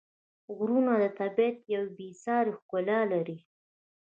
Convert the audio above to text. غرونه د طبیعت یوه بېساري ښکلا لري.